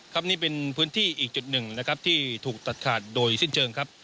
ครับนี่เป็นพื้นที่อีกจุดหนึ่งนะครับที่ถูกตัดขาดโดยสิ้นเชิงครับ